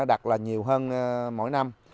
đặt là nhiều hơn mỗi năm